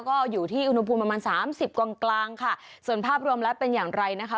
ก็อยู่ที่อุณหภูมิประมาณสามสิบกลางค่ะส่วนภาพรวมแล้วเป็นอย่างไรนะคะ